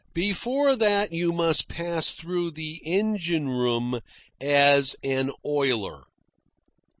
Before that you must pass through the engine room as an oiler."